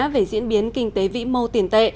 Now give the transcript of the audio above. về diễn biến kinh tế vĩ mô tiền tệ